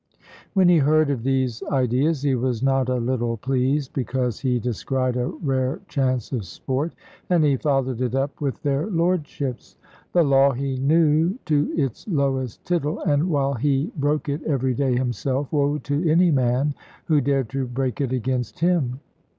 When he heard of these ideas he was not a little pleased, because he descried a rare chance of sport, and he followed it up with their lordships. The law he knew to its lowest tittle, and while he broke it every day himself, woe to any man who dared to break it against him.